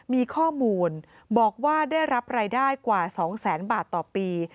มีข้อมูลบอกว่าได้รับรายได้กว่า๒แสนบาทต่อปี